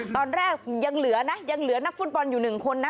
ตอนแรกยังเหลือนะยังเหลือนักฟุตบอลอยู่๑คนนะ